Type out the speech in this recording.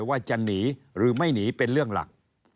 ว่าจะหนีหรือไม่หนีเป็นเรื่องหลัก